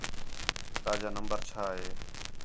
تا جا نمبر چَھا ہے؟